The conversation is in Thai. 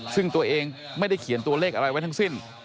ซึ่งตัวเองไม่ได้เขียนตัวเลขอะไรไว้ทั้งสิ้น